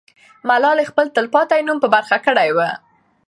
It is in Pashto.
ملالۍ خپل تل پاتې نوم په برخه کړی وو.